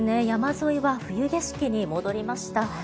山沿いは冬景色に戻りました。